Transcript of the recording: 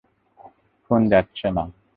Phone যাচ্ছে না।